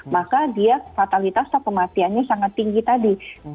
maka dia fatalitas atau kematiannya sangat tinggi tadi